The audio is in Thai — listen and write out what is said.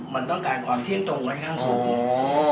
มันต้องการความเที่ยงตรงไว้ข้างสูง